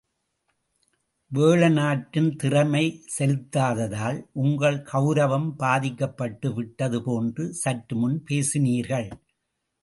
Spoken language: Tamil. வேழநாட்டான் திறை செலுத்தாததால் உங்கள் கவுரவம் பாதிக்கப்பட்டு விட்டது போன்று சற்றுமுன் பேசினீர்கள்.